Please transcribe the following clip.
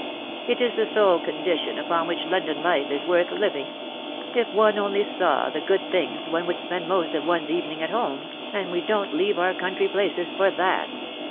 " It is the sole condition upon which London life is worth living. If one only saw the good things, one would spend most of one's even ing at home, and we don't leave our country places for that.